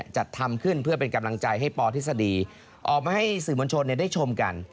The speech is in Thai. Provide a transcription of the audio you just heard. จัดทำขึ้นเพื่อเป็นกำลังใจให้ปทฤษฎีออกมาให้สื่อมวลชนได้ชมกัน